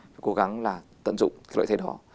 cố gắng tận dụng lợi thế đó